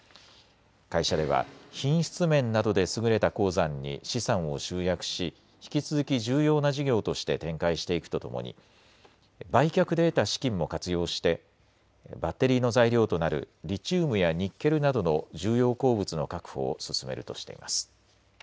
会社では品質面などで優れた鉱山に資産を集約し、引き続き重要な事業として展開していくとともに売却で得た資金も活用してバッテリーの材料となるリチウムやニッケルなどの重要鉱物の確保を進めるとしています。